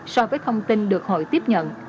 so với thông tin được hội tiếp nhận